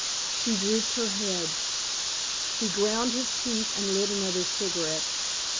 She drooped her head. He ground his teeth and lit another cigarette.